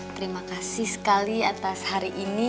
terima kasih sekali atas hari ini